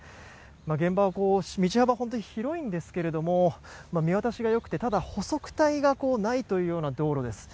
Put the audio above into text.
現場は道幅、本当に広いんですが見晴らしがよくてただ、補足帯がないというような道路です。